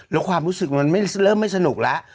แล้วความรู้สึกมันเริ่มไม่สนุกแล้ว